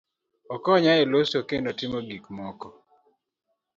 okonyo e loso kendo timo gik moko